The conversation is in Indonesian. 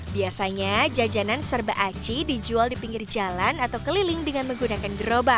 biasanya jajanan serba aci dijual di pinggir jalan atau keliling dengan menggunakan gerobak